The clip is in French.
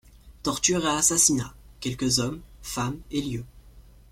Torture et assassinats; quelques hommes, femmes et lieux.